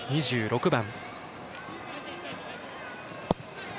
２６番。